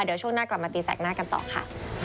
เดี๋ยวช่วงหน้ากลับมาตีแสกหน้ากันต่อค่ะ